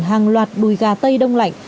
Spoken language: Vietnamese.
hàng loạt đùi gà tây đông lạnh